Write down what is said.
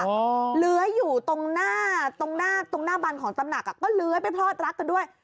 เหลืออยู่ตรงหน้าตรงหน้าบันของตำหนักก็เหลือไปพลอดรักกันด้วย